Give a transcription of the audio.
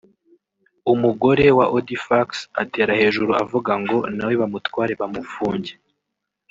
umugore wa Audifax atera hejuru avuga ngo nawe bamutware bamufunge